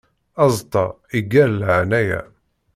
Aẓeṭṭa iggar laɛnaya.